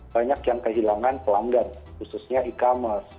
banyak yang kehilangan pelanggan khususnya e commerce